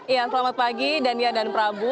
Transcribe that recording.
ya selamat pagi dania dan prabu